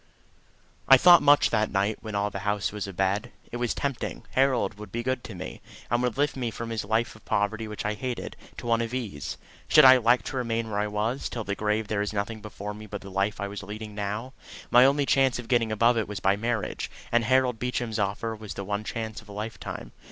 I thought much that night when all the house was abed. It was tempting. Harold would be good to me, and would lift me from this life of poverty which I hated, to one of ease. Should I elect to remain where I was, till the grave there was nothing before me but the life I was leading now: my only chance of getting above it was by marriage, and Harold Beecham's offer was the one chance of a lifetime.